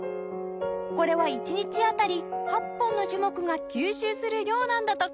これは１日当たり８本の樹木が吸収する量なんだとか